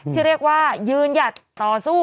ที่เรียกว่ายืนหยัดต่อสู้